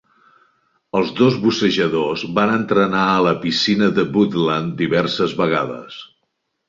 Els dos bussejadors van entrenar a la piscina de Woodland diverses vegades.